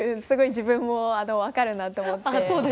すごい自分も分かるなと思って。